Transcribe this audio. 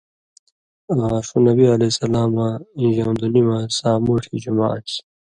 آں ݜُو نبیؐ اں ژؤن٘دُنی مہ سامُوٹھیۡ جُمعہ آن٘سیۡ۔